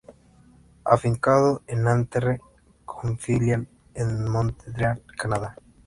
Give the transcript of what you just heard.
Afincado en Nanterre, con filial en Montreal, Canadá.